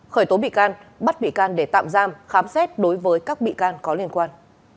khởi tố bị can bắt bị can để tạm giam khám xét đối với các bị can có liên quan